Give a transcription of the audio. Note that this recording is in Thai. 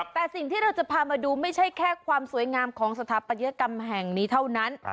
แต่สิ่งที่เราจะพามาดูไม่ใช่แค่ความสวยงามของสถาปัตยกรรมแห่งนี้เท่านั้น